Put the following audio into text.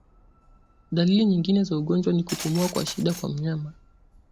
Dalili nyingine ya ugonjwa ni kupumua kwa shida kwa mnyama